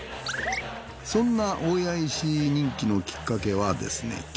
そんな大谷石人気のきっかけはですね